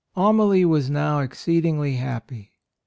Amalie was now exceedingly happy.